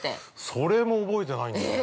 ◆それも覚えてないんだよね。